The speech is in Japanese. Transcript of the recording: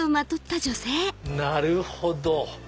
なるほど！